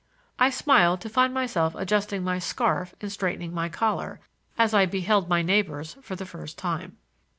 I smiled to find myself adjusting my scarf and straightening my collar as I beheld my neighbors for the first time.